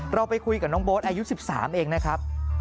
เราไปคุยกับน้องโบ๊ทอายุ๑๓เองนะครับ